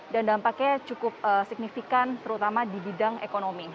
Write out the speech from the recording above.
dan dampaknya cukup signifikan terutama di bidang ekonomi